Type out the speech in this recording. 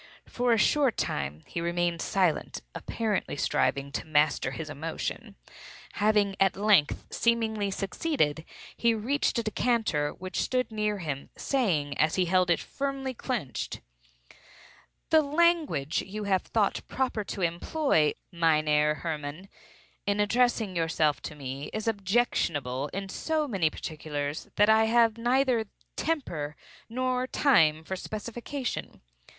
For a short time he remained silent, apparently striving to master his emotion. Having at length seemingly succeeded, he reached a decanter which stood near him, saying as he held it firmly clenched—"The language you have thought proper to employ, Mynheer Hermann, in addressing yourself to me, is objectionable in so many particulars, that I have neither temper nor time for specification.